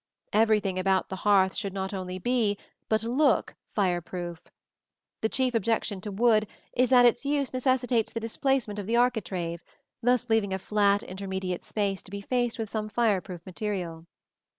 Everything about the hearth should not only be, but look, fire proof. The chief objection to wood is that its use necessitates the displacement of the architrave, thus leaving a flat intermediate space to be faced with some fire proof material.